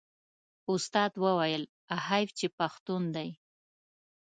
استاد وویل حیف چې پښتون دی.